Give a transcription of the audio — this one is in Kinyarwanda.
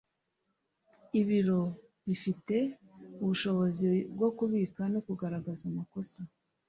Ibiro bifite ubushobozi bwo kubika no kugaragaza amakosa